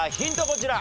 こちら。